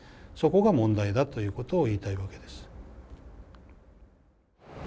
そこが問題だということを言いたいわけです。